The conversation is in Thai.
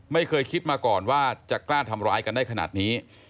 ไม่เคยคิดมาก่อนว่าจะกล้าทำร้ายกันได้ขนาดนี้